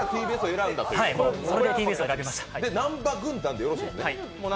南波軍団でよろしいんですね？